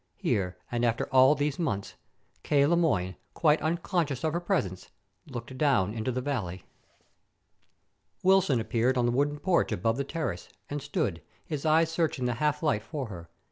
Here, and after all these months! K. Le Moyne, quite unconscious of her presence, looked down into the valley. Wilson appeared on the wooden porch above the terrace, and stood, his eyes searching the half light for her.